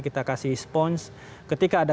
kita kasih spons ketika ada